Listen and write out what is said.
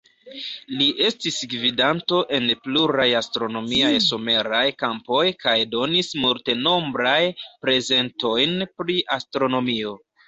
Li estis gvidanto en pluraj astronomiaj someraj kampoj kaj donis multenombraj prezentojn pri astronomio.